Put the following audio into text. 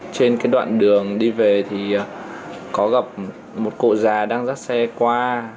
trên cái đoạn đường đi về thì có gặp một cụ già đang dắt xe qua